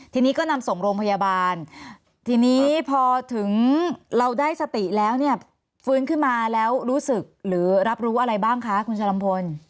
ทีนี้ก็นำส่งโรงพยาบาลทีนี้พอถึงเราได้สติแล้วเนี่ยฟื้นขึ้นมาแล้วรู้สึกหรือรับรู้อะไรบ้างคะคุณชะลำพล